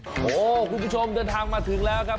โอ้โหคุณผู้ชมเดินทางมาถึงแล้วครับ